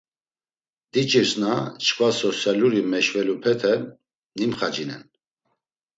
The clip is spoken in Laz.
Diç̌irsna çkva sosyaluri meşvelupete nimxacinen.